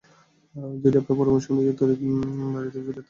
যদি আপনার পরামর্শ অনুযায়ী তড়িৎ বাড়িতে ফিরে যেতে পারতাম!